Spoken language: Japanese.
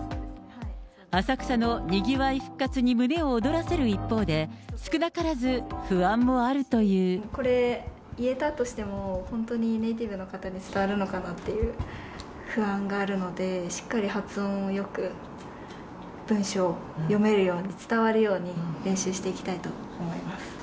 浅草のにぎわい復活に胸を躍らせる一方で、少なからず、不安もあこれ、言えたとしても、本当にネイティブの方に伝わるのかなっていう不安があるので、しっかり発音をよく、文章を読めるように、伝わるように、練習していきたいと思います。